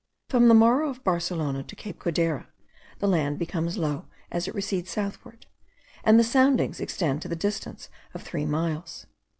From the Morro of Barcelona to Cape Codera, the land becomes low, as it recedes southward; and the soundings extend to the distance of three miles.